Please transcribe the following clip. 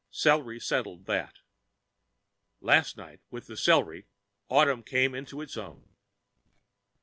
The celery settled that. Last night with the celery autumn came into its own.